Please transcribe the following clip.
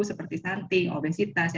seperti stanting obesitas